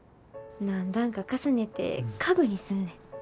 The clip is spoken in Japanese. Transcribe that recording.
何段か重ねて家具にすんねん。